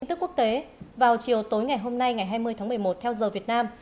tin tức quốc tế vào chiều tối ngày hôm nay ngày hai mươi tháng một mươi một theo giờ việt nam